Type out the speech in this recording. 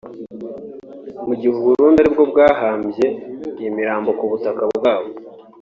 Mu gihe u Burundi ari nabwo bwahambye iyi mirambo ku butaka bwabo